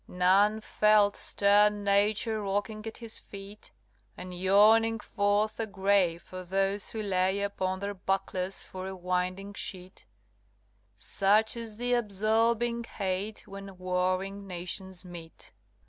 None felt stern Nature rocking at his feet, And yawning forth a grave for those who lay Upon their bucklers for a winding sheet; Such is the absorbing hate when warring nations meet.